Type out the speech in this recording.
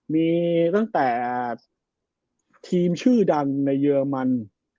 มีตั้งแต่ทีมชื่อดังในเยอรมัน